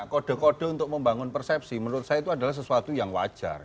kode kode untuk membangun persepsi menurut saya itu adalah sesuatu yang wajar